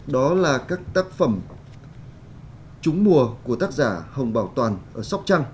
đó là các tác phẩm trúng mùa của tác giả hồng bảo toàn ở sóc trăng